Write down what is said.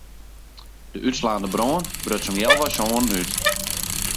De útslaande brân bruts om healwei sânen út.